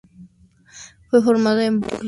Fue formada en Burlington, Ontario.